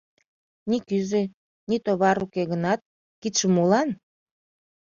Ни кӱзӧ, ни товар уке гынат, кидше молан?